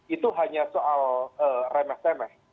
itu hanya soal remeh temeh